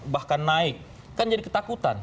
bahkan naik kan jadi ketakutan